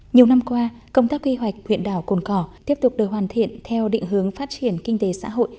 nhiều năm qua công tác quy hoạch huyện đảo cồn cỏ tiếp tục được hoàn thiện theo định hướng phát triển kinh tế xã hội